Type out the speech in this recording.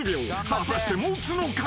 ［果たして持つのか？］